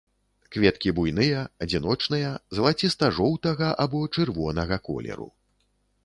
Кветкі буйныя, адзіночныя, залаціста-жоўтага або чырвонага колеру.